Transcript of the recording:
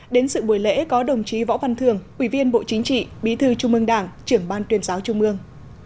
đến sự buổi lễ có đồng chí võ văn thường ủy viên bộ chính trị bí thư trung ương đảng trưởng ban tuyên giáo trung ương